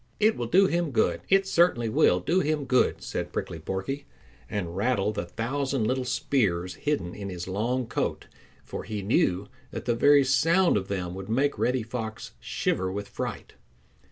"It will do him good. It certainly will do him good," said Prickly Porky, and rattled the thousand little spears hidden in his long coat, for he knew that the very sound of them would make Reddy Fox shiver with fright.